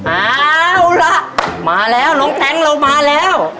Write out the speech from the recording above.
เอาล่ะมาแล้วน้องแต๊งเรามาแล้ว